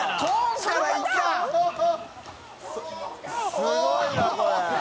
すごいなこれ。